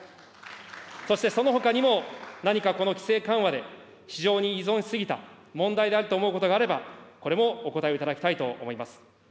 そしてそのほかにも、何かこの規制緩和で市場に依存し過ぎた、問題であると思うことがあれば、これもお答えをいただきたいと思います。